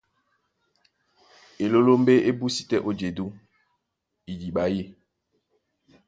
Elólómbé é búsi tɛ́ ó jedú idiɓa yî.